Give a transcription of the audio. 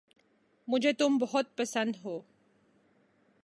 مجھے تم بہت پسند ہو